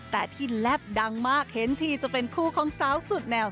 แต่ที่แลบดังมากเห็นทีจะเป็นคู่ของสาวสุดแนว